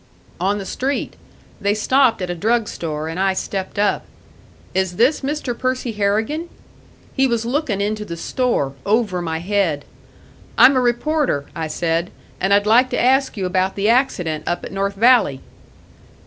"On the street. They stopped at a drug store, and I stepped up. 'Is this Mr. Percy Harrigan?' He was looking into the store, over my head. 'I'm a reporter,' I said, 'and I'd like to ask you about the accident up at North Valley.'